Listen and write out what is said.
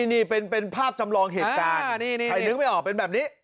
นี่เป็นภาพจำลองเหตุการณ์ใครนึกไม่ออกเป็นแบบนี้